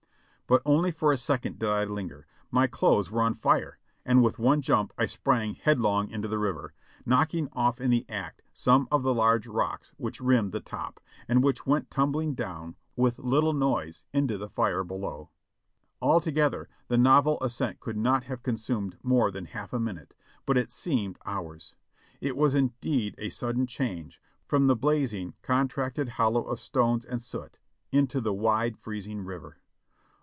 But only for a second did I linger ; my clothes were on fire, and with one jump I sprang headlong into the river, knocking off in the act some of the large rocks which rimmed the top, and which went tumbling down, with no little noise, into the fire below. Altogether the novel ascent could not have consumed more than half a minute, but it seemed hours. It was indeed a sudden change, from the blazing, contracted hollow of stones and soot into the wide, freezing river.